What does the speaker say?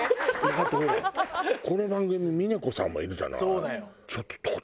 あとほらこの番組峰子さんもいるじゃない。